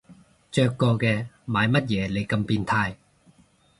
着過嘅買乜嘢你咁變態